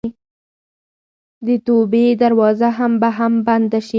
د توبې دروازه به هم بنده شي.